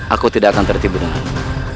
aku tidak akan tertibu denganmu